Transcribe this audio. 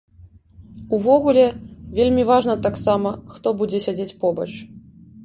Увогуле, вельмі важна таксама, хто будзе сядзець побач.